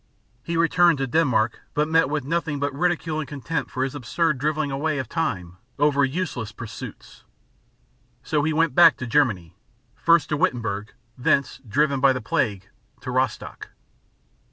He returned to Denmark, but met with nothing but ridicule and contempt for his absurd drivelling away of time over useless pursuits. So he went back to Germany first to Wittenberg, thence, driven by the plague, to Rostock.